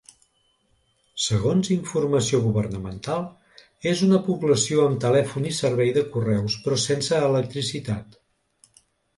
Segons informació governamental, és una població amb telèfon i servei de correus, però sense electricitat.